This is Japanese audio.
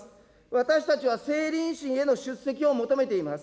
私たちは政倫審への出席を求めています。